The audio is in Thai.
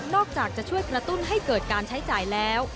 อกจากจะช่วยกระตุ้นให้เกิดการใช้จ่ายแล้ว